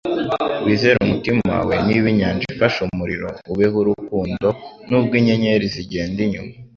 Wizere umutima wawe niba inyanja ifashe umuriro, ubeho urukundo nubwo inyenyeri zigenda inyuma.”